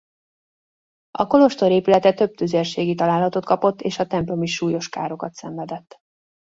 A kolostor épülete több tüzérségi találatot kapott és a templom is súlyos károkat szenvedett.